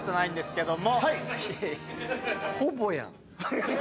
ほぼやん。